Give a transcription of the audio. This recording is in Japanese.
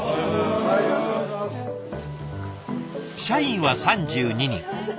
社員は３２人。